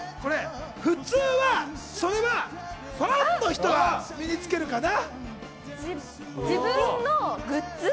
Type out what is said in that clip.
普通はそれはファンの人が身につけるかな。